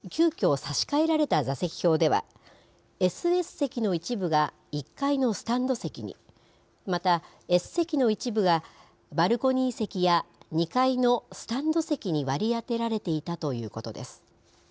ところが、ライブの３日前に急きょ差し替えられた座席表では、ＳＳ席の一部が１階のスタンド席に、また、Ｓ席の一部がバルコニー席や２階のスタンド席に割り当てられていたということです。